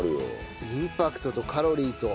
インパクトとカロリーと。